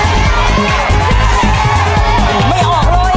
ไม่ออกเลยน่ะ